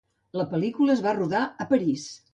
La pel·lícula es va rodar a París.